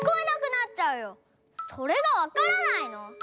それがわからないの？